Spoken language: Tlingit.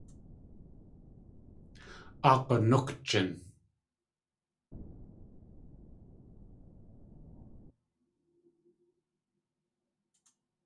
Áa g̲anúkjin.